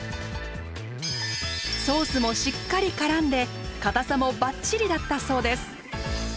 ソースもしっかりからんでかたさもバッチリだったそうです。